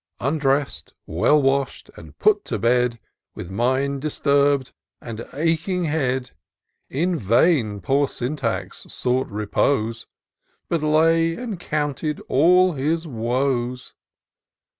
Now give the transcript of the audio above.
Undress'd, well wash'd, and put to bed, With mind disturb'd, and aching head. In vain poor Syntax sought repose, But lay and counted all his woes.